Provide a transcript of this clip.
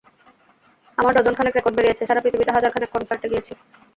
আমার ডজন খানেক রেকর্ড বেরিয়েছে, সারা পৃথিবীতে হাজার খানেক কনসার্টে গেয়েছি।